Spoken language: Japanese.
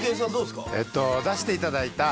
出していただいた。